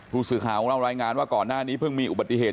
ผู้สื่อข่าวของเรารายงานว่าก่อนหน้านี้เพิ่งมีอุบัติเหตุ